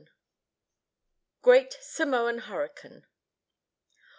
GREAT SAMOAN HURRICANE.